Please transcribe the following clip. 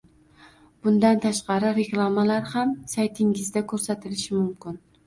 Bundan tashqari reklamalar ham saytingizda ko’rsatilishi mumkin